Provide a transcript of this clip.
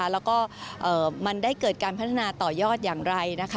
แล้วก็มันได้เกิดการพัฒนาต่อยอดอย่างไร